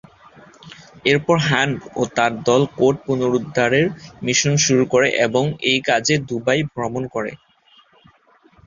এরপর হান্ট ও তার দল কোড পুনরুদ্ধারের মিশন শুরু করে এবং এই কাজে দুবাই ভ্রমণ করে।